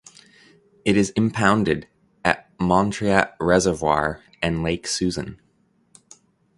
It is impounded at Montreat Reservoir and Lake Susan.